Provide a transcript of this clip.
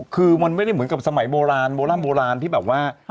คือมันไม่ได้เหมือนกับสมัยโบราณโบร่ำโบราณที่แบบว่า